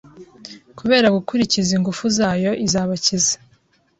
kubera gukurikiza Ingufu zayo izabakiza